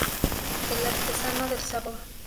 El artesano del sabor.